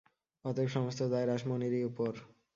অতএব সমস্ত দায় রাসমণিরই উপর।